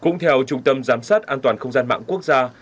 cũng theo trung tâm giám sát an toàn không gian mạng quốc gia